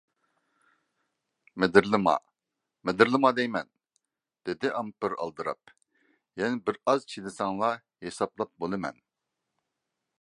-مىدىرلىما، مىدىرلىما دەيمەن! -دېدى ئامپېر ئالدىراپ، -يەنە بىر ئاز چىدىساڭلا ھېسابلاپ بولىمەن!